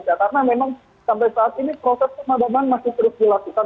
karena memang sampai saat ini proses pemadaman masih terus dilakukan